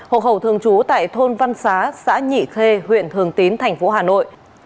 hộ khẩu thường trú tại thôn văn xá xã nhị khê huyện thường tín thành phố hà nội